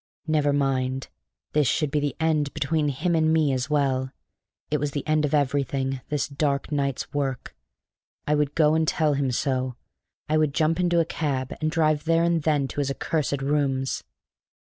Never mind; this should be the end between him and me as well; it was the end of everything, this dark night's work! I would go and tell him so. I would jump into a cab and drive there and then to his accursed rooms.